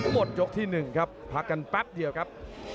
หมดยกที่๑ครับพักกันแป๊บเดียวครับ